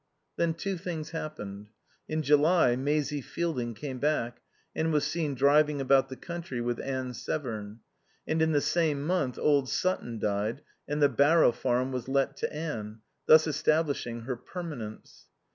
Then two things happened. In July Maisie Fielding came back and was seen driving about the country with Anne Severn; and in the same month old Sutton died and the Barrow Farm was let to Anne, thus establishing her permanence.